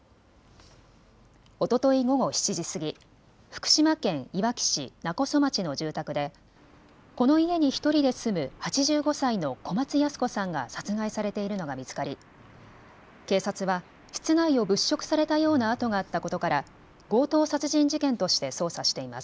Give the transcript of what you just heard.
おととい午後７時過ぎ、福島県いわき市勿来町の住宅でこの家に１人で住む８５歳の小松ヤス子さんが殺害されているのが見つかり警察は室内を物色されたような跡があったことから強盗殺人事件として捜査しています。